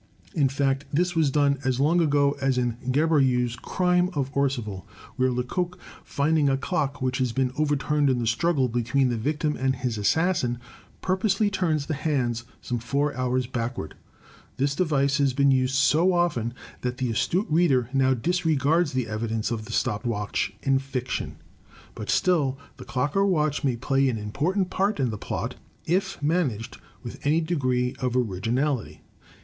In fact, this was done as long ago as in Gaboriau's "Crime of Orcival," where Lecoq, finding a clock which has been overturned in the struggle between the victim and his assassin, purposely turns the hands some four hours back ward. This device has been used so often that the astute reader now disregards the evidence of the stopped watch in fiction. But still the clock or watch may play an important part in the plot, if managed with any degree of originality.